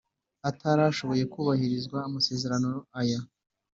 Atarashoboye kubahiriza amasezerano aya